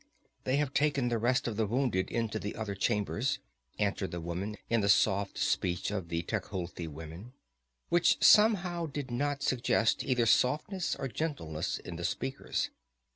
"They have taken the rest of the wounded into the other chambers," answered the woman in the soft speech of the Tecuhltli women, which somehow did not suggest either softness or gentleness in the speakers.